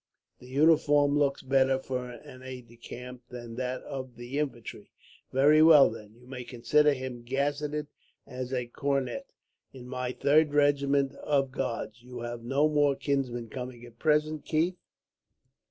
The uniform looks better, for an aide de camp, than that of the infantry.' "'Very well, then, you may consider him gazetted as a cornet, in my third regiment of Guards. You have no more kinsmen coming at present, Keith?'